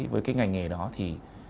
với cái ngành nghề đó thì